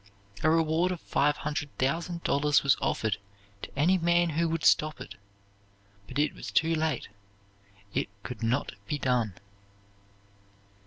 A reward of five hundred thousand dollars was offered to any man who would stop it; but it was too late it could not be done.